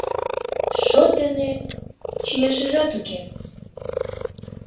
Шот дене чияшыжат уке.